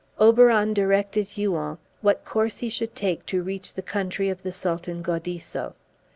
Oberon directed Huon what course he should take to reach the country of the Sultan Gaudisso.